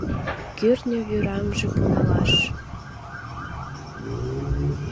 Кӱртньӧ вӱраҥже пуналаш